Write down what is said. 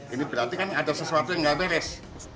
ini berarti kan ada sesuatu yang nggak beres